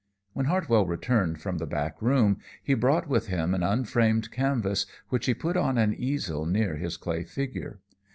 When Hartwell returned from the back room, he brought with him an unframed canvas which he put on an easel near his clay figure.